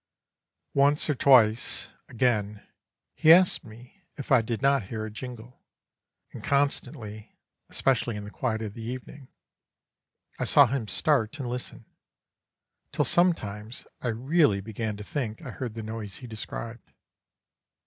"Once or twice, again, he asked me if I did not hear a jingle, and constantly, especially in the quiet of evening, I saw him start and listen, till sometimes I really began to think I heard the noise he described.